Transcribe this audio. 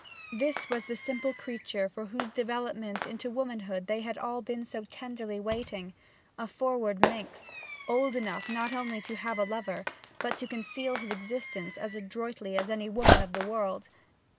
This was the simple creature for whose development into womanhood they had all been so tenderly waiting a forward minx, old enough not only to have a lover, but to conceal his existence as adroitly as any woman of the world!